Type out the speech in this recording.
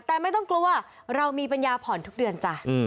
แต่ไม่ต้องกลัวเรามีปัญญาผ่อนทุกเดือนจ้ะ